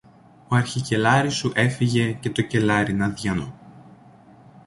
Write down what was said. ο αρχικελάρης σου έφυγε και το κελάρι είναι αδειανό.